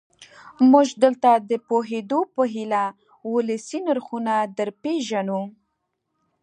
موږ دلته د پوهېدو په هیله ولسي نرخونه درپېژنو.